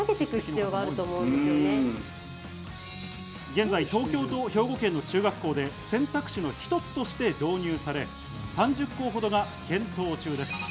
現在、東京と兵庫県の中学校で選択肢の一つとして導入され、３０校ほどが検討中です。